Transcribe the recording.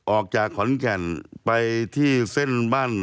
ออกจากขอนแก่นไปที่เส้นบ้าน